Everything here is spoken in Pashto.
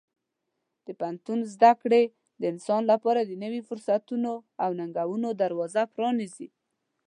د پوهنتون زده کړې د انسان لپاره د نوي فرصتونو او ننګونو دروازه پرانیزي.